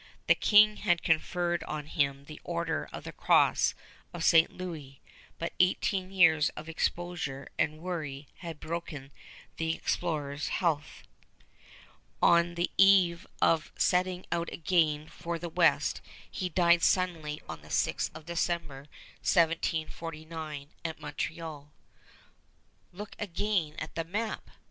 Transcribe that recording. The King had conferred on him the Order of the Cross of St. Louis, but eighteen years of exposure and worry had broken the explorer's health. On the eve of setting out again for the west he died suddenly on the 6th of December, 1749, at Montreal. Look again at the map!